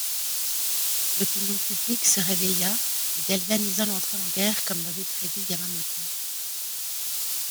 L'opinion publique se réveilla et galvanisa l'entrée en guerre comme l'avait prédit Yamamoto.